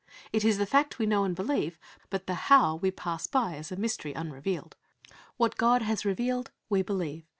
It is the fact we know and believe, but the how we pass by as a mystery unrevealed. What God has revealed, we believe.